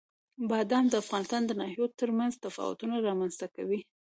بادام د افغانستان د ناحیو ترمنځ تفاوتونه رامنځ ته کوي.